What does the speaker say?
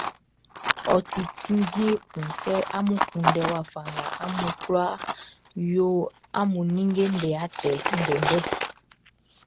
Ɔ ti cinnjin ekun kɛ amun kunndɛ wafa nga amun kwla yo amun ninngeʼm be atɛ ndɛndɛʼn.